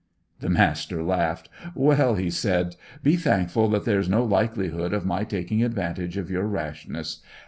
The Master laughed. "Well," he said, "be thankful that there's no likelihood of my taking advantage of your rashness.